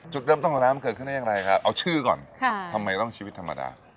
จุดเริ่มต้นของร้านมันเกิดขึ้นได้อย่างไรครับเอาชื่อก่อนทำไมต้องชีวิตธรรมดา